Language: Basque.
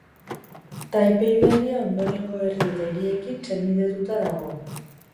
Taipei Berria ondorengo herri eta hiriekin senidetuta dago.